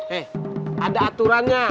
hei ada aturannya